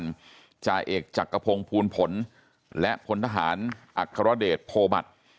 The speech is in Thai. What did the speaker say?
พันธาเอกจักรพงศ์พูลผลและพลทหารอักษรเดชโพมัติ